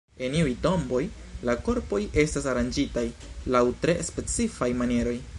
En iuj tomboj la korpoj estas aranĝitaj laŭ tre specifaj manieroj.